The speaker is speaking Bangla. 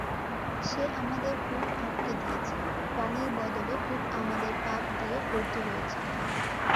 সে আমাদের কূপ আটকে দিয়েছে, পানির বদলে কূপ আমাদের পাপ দিয়ে ভর্তি হয়েছে।